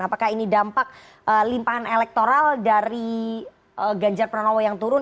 apakah ini dampak limpahan elektoral dari ganjar pranowo yang turun